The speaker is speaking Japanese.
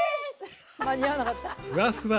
間に合わなかった。